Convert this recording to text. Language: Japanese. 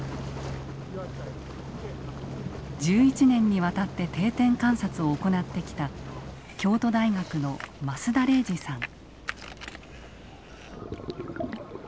１１年にわたって定点観察を行ってきた京都大学の益田玲爾さん。